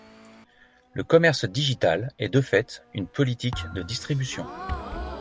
Le commerce digital est de fait une politique de distribution.